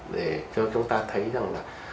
để cho chúng ta thấy rằng là